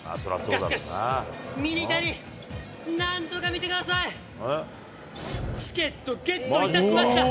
が、しかし、ミニタニ、なんとか見てください、チケットゲットいたしました。